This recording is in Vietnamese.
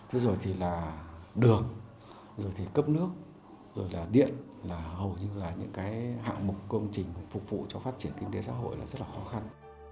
thế rồi thì là đường rồi thì cấp nước rồi là điện là hầu như là những cái hạng mục công trình phục vụ cho phát triển kinh tế xã hội là rất là khó khăn